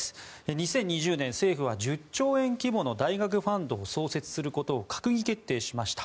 ２０２０年、政府は１０兆円規模の大学ファンドを創設することを閣議決定しました。